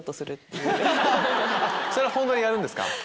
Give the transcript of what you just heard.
それはホントにやるんですか？